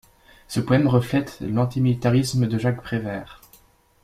Ce poème reflète l'antimilitarisme de Jacques Prévert.